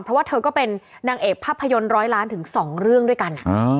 เพราะว่าเธอก็เป็นนางเอกภาพยนตร์๑๐๐ล้านถึง๒เรื่องด้วยกัน